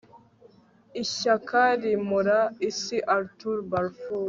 ishyaka ryimura isi. - arthur balfour